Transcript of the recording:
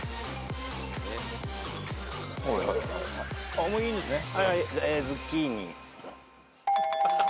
あっもういいんですね？